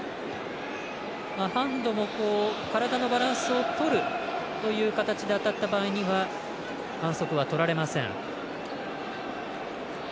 ハンドも体のバランスをとるという形で当たった場合には反則はとられません。